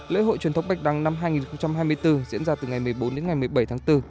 lễ hội truyền thống bạch đăng năm hai nghìn hai mươi bốn diễn ra từ ngày một mươi bốn đến ngày một mươi bảy tháng bốn